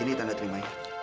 ini tanda terima